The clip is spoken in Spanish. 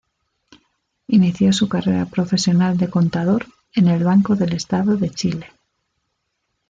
Inició su carrera profesional de Contador en el Banco del Estado de Chile.